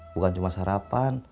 bukan cuma sarapan